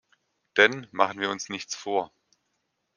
Denn, machen wir uns nichts vor!